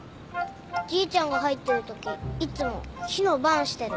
じいちゃんが入ってるときいつも火の番してる。